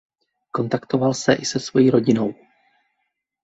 Kontaktoval se i se svojí rodinou.